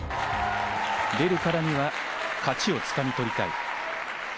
出るからには勝ちをつかみ取りたい。